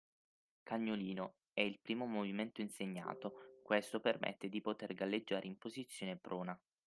Cagnolino: è il primo movimento insegnato, questo permette di poter galleggiare in posizione prona